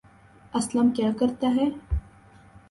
اسلم کیا کرتا ہے